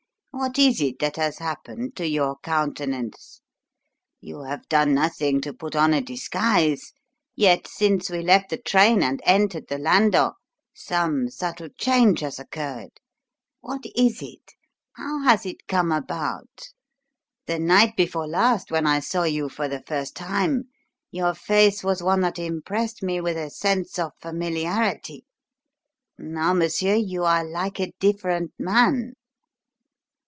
What is it that has happened to your countenance? You have done nothing to put on a disguise; yet, since we left the train and entered the landau, some subtle change has occurred. What is it? How has it come about? The night before last, when I saw you for the first time, your face was one that impressed me with a sense of familiarity now, monsieur, you are like a different man."